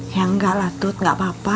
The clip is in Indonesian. ya nggak lah tut nggak apa apa